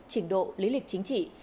trình độ lý lịch chính trị